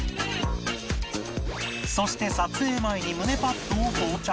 そして撮影前に胸パッドを装着